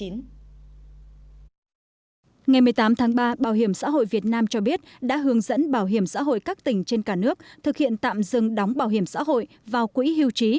ngày một mươi tám tháng ba bảo hiểm xã hội việt nam cho biết đã hướng dẫn bảo hiểm xã hội các tỉnh trên cả nước thực hiện tạm dừng đóng bảo hiểm xã hội vào quỹ hưu trí